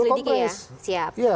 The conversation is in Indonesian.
kamu sudah bisa didik ya